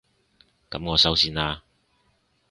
噉我收線喇